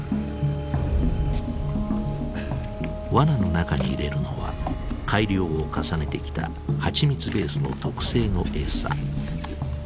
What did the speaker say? ワナの中に入れるのは改良を重ねてきた蜂蜜ベースの特製の餌。